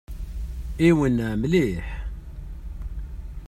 Iwenneɛ mliḥ!